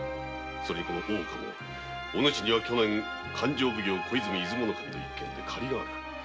この越前もお主には去年勘定奉行小泉出雲守の一件で借りがある。